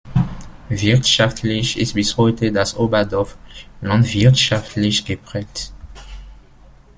Wirtschaftlich ist bis heute das Oberdorf landwirtschaftlich geprägt.